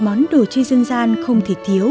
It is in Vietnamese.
món đồ chơi dân gian không thể thiếu